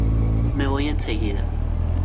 Me voy enseguida.